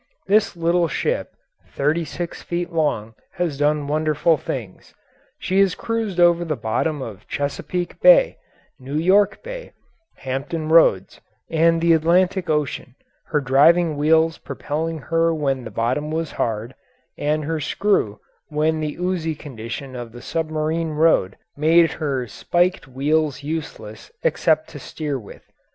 This little ship (thirty six feet long) has done wonderful things. She has cruised over the bottom of Chesapeake Bay, New York Bay, Hampton Roads, and the Atlantic Ocean, her driving wheels propelling her when the bottom was hard, and her screw when the oozy condition of the submarine road made her spiked wheels useless except to steer with.